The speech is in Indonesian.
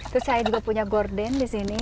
terus saya juga punya gorden di sini